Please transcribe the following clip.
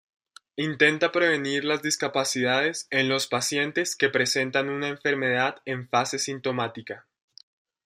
Intenta prevenir las discapacidades en los pacientes que presentan una enfermedad en fase sintomática.